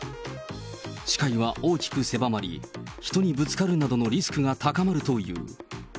視界は大きく狭まり、人にぶつかるなどのリスクが高まるという。